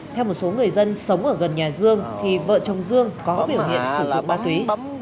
theo một số người dân sống ở gần nhà dương thì vợ chồng dương có biểu hiện sự vụ ba túy